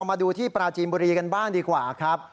มาดูที่ปราจีนบุรีกันบ้างดีกว่าครับ